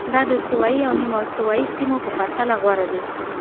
دا د استوایي او نیمه استوایي سیمو په پرتله غوره دي.